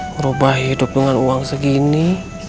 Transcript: merubah hidup dengan uang segini